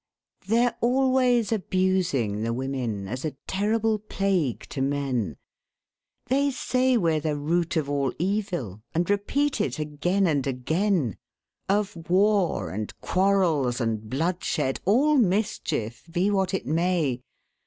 They're always abusing the women, As a terrible plague to men; They say we're the root of all evil, And repeat it again and again Of war, and quarrels, and bloodshed, All mischief, be what it may.